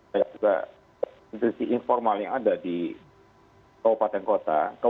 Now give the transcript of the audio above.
saya juga intusi informal yang ada di kota kota